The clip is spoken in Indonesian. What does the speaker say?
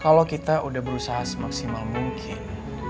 kalau kita udah berusaha semaksimal mungkin